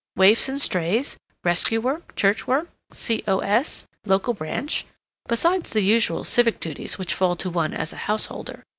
Waifs and Strays, Rescue Work, Church Work, C. O. S.—local branch—besides the usual civic duties which fall to one as a householder.